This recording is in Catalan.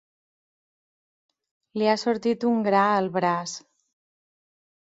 Li ha sortit un gra al braç.